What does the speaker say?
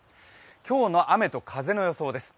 今日の雨と風の予想です。